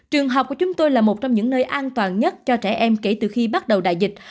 trường học của chúng tôi là một trong những nơi an toàn nhất cho trẻ em kể từ khi bắt đầu đại dịch